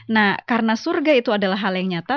nah karena surga itu adalah hal yang nyata